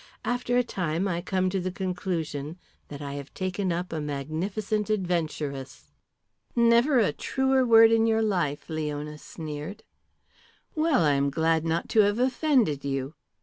After a time I come to the conclusion that I have taken up a magnificent adventuress." "Never a truer word in your life," Leona sneered. "Well, I am glad not to have offended you.